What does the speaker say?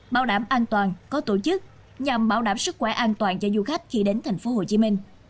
bảo đảm an toàn có tổ chức nhằm bảo đảm sức khỏe an toàn cho du khách khi đến tp hcm